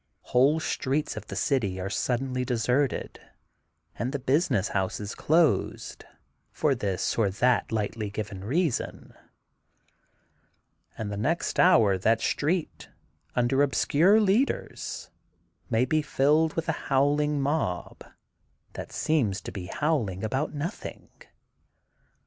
Whole streets of the city are suddenly de serted and the business houses closed, for thid or that lightly given reason, and the next 292 THE GOLDEN BOOK OF SPRINGFIELD hour that street, nnder obsoore leaders may be filled with a howling mob, that seems to be howling about nothing.